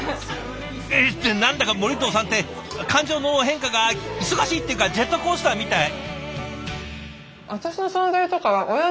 えっ何だか森藤さんって感情の変化が忙しいっていうかジェットコースターみたい。